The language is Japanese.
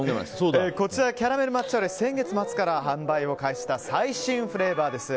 こちら、キャラメル抹茶オレ先月末から販売開始した最新フレーバーです。